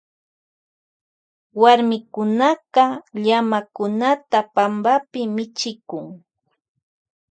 Warmikunaka llamakunata michikun pampapi.